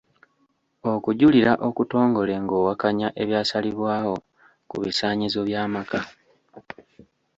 Okujulira okutongole ng'owakanya ebyasalibwawo ku bisaanyizo by'amaka.